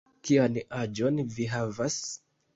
Kian aĝon vi havas?